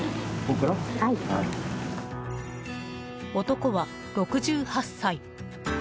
男は６８歳。